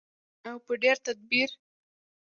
او په ډیر تدبیر.